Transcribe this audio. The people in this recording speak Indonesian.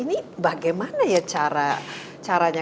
ini bagaimana ya caranya